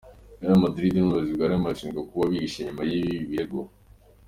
Real Madrid n' ubuyozi bw' i Madrid barashinjwa kuba bihishe inyuma y' ibi birego.